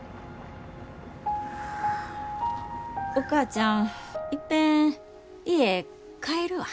お母ちゃんいっぺん家帰るわ。